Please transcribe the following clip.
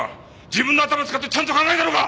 自分の頭使ってちゃんと考えたのか！？